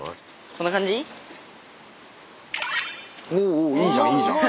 おおいいじゃんいいじゃん。